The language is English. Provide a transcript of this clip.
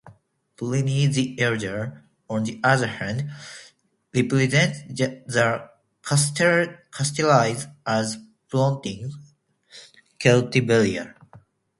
Pliny the Elder, on the other hand, represents the "Cassiterides" as fronting Celtiberia.